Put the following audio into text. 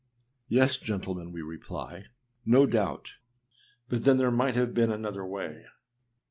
â Yes, gentlemen, we reply, no doubt; but then there might have been another way.